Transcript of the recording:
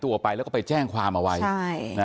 ตัวไปแล้วก็ไปแจ้งความอาวัยใช่น่ะ